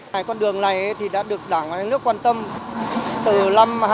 hai con đường này đã được đảng và nước quan tâm từ năm hai nghìn